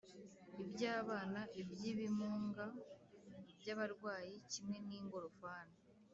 iby’abana, iby’ibimunga ,iby’abarwayi kimwe n’ingorofani